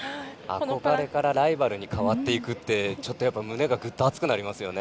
憧れからライバルに変わっていくって胸がぐっと熱くなりますよね。